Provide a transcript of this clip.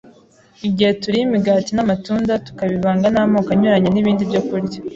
Igihe turiye imigati n’amatunda, tukabivanga n’amoko anyuranye y’ibindi byokurya